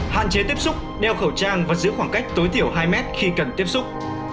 hạn chế tiếp xúc đeo khẩu trang và giữ khoảng cách tối thiểu hai mét khi cần tiếp xúc